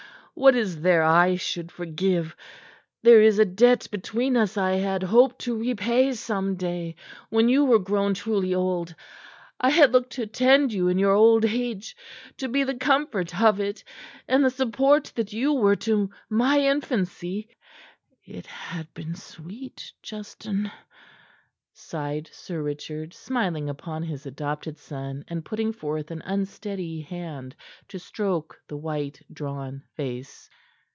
What is there I should forgive? There is a debt between us I had hoped to repay some day when you were grown truly old. I had looked to tend you in your old age, to be the comfort of it, and the support that you were to my infancy." "It had been sweet, Justin," sighed Sir Richard, smiling upon his adopted son, and putting forth an unsteady hand to stroke the white, drawn face.